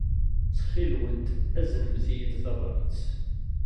Ttxil-went, aznemt-iyi-d tabṛat.